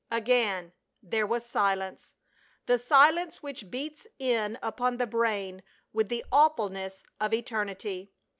Again there was silence, the silence which beats in upon the brain with the awfulness of eternity.